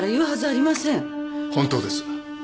本当です。